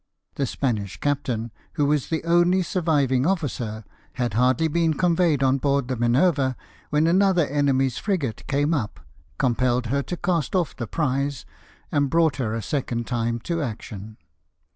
The Spanish captain, who was the only surviving officer, had hardly been conveyed on board the Minerve, when another enemy's frigate came up, com pelled her to cast off the prize, and brought her a second time to action.